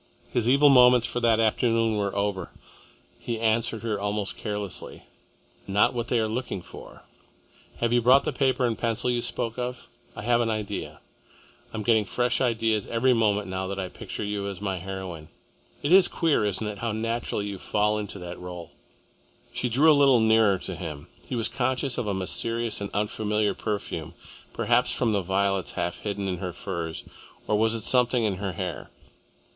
His evil moments for that afternoon were over. He answered her almost carelessly. "Not what they are looking for. Have you brought the paper and pencil you spoke of? I have an idea I am getting fresh ideas every moment now that I picture you as my heroine. It is queer, isn't it, how naturally you fall into the role?" She drew a little nearer to him. He was conscious of a mysterious and unfamiliar perfume, perhaps from the violets half hidden in her furs, or was it something in her hair?